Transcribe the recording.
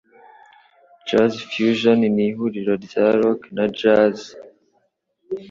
Jazz fusion ni ihuriro rya rock na jazz.